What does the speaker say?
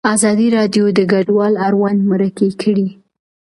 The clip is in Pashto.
ازادي راډیو د کډوال اړوند مرکې کړي.